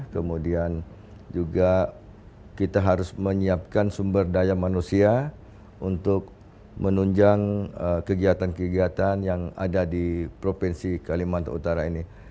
kemudian juga kita harus menyiapkan sumber daya manusia untuk menunjang kegiatan kegiatan yang ada di provinsi kalimantan utara ini